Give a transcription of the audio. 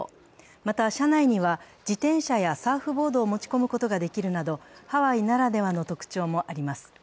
また、車内には自転車やサーフボードを持ち込むことができるなど、ハワイならではの特徴もあります。